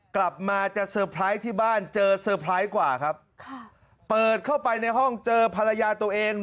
กลับมาจะเตอร์ไพรส์ที่บ้านเจอเซอร์ไพรส์กว่าครับค่ะเปิดเข้าไปในห้องเจอภรรยาตัวเอง